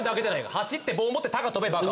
走って棒持って高跳べバカ。